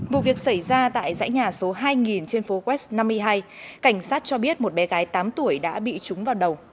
vụ việc xảy ra tại dãy nhà số hai trên phố west năm mươi hai cảnh sát cho biết một bé gái tám tuổi đã bị trúng vào đầu